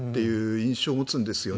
印象を持つんです。